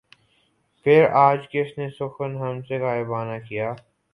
پھر آج کس نے سخن ہم سے غائبانہ کیا